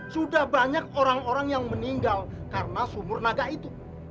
sudah banyak orang orang yang meninggal karena sumunaga itu